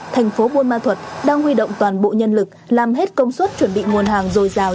thành phố buôn ma thuật đang huy động toàn bộ nhân lực làm hết công suất chuẩn bị nguồn hàng dồi dào